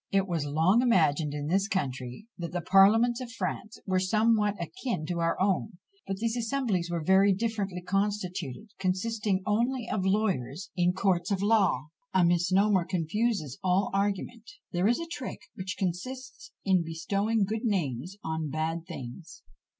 It was long imagined in this country, that the parliaments of France were somewhat akin to our own; but these assemblies were very differently constituted, consisting only of lawyers in courts of law. A misnomer confuses all argument. There is a trick which consists in bestowing good names on bad things.